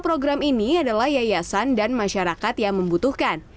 program ini adalah yayasan dan masyarakat yang membutuhkan